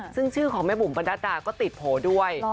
ซึ่งชื่อของแม่บุ๋มประนัดดาก็ติดโผล่ด้วย